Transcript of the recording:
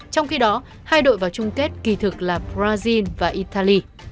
trong khi đó hai đội vào chung kết kỳ thực là brazil và italy